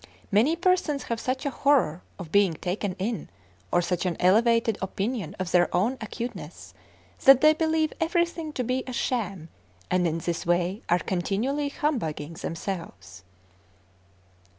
Many persons have such a horror of being taken in, or such an elevated opinion of their own acuteness, that they believe everything to be a sham, and in this way are continually humbugging themselves.